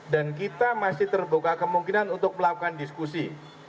dan kita masih terbuka kemungkinan untuk melakukan diskusi